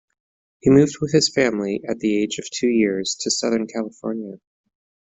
He moved with his family at the age of two years to Southern California.